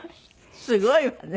すごいわね。